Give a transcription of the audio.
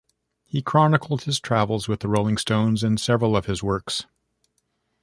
He chronicled his travels with the Rolling Stones in several of his works.